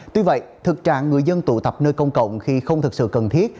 tuy vậy thực trạng người dân tụ tập nơi công cộng khi không thực sự cần thiết